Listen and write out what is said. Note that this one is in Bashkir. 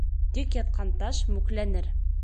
Тик ятҡан таш мүкләнер.